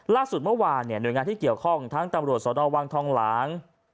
ล่าสุดเมื่อวานหน่วยงานที่เกี่ยวข้องทั้งตำรวจสนวังทองหลาง